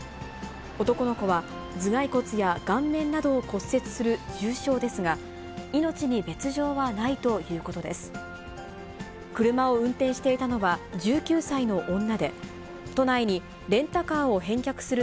男の子は、頭蓋骨や顔面などを骨折する重傷ですが、命に別状はないということです。